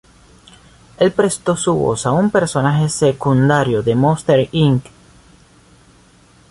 El presto su voz a un personaje secundario de Monsters, Inc..